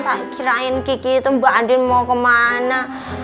tak kirain gini tuh mbak andin mau kemana